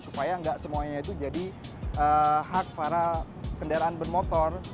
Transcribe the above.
supaya nggak semuanya itu jadi hak para kendaraan bermotor